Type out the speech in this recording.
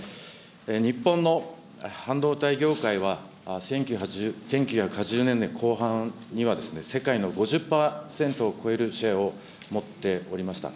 日本の半導体業界は、１９８０年代後半には世界の５０％を超えるシェアを持っておりました。